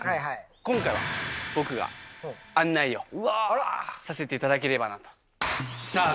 今回は僕が、案内をさせていただければなと。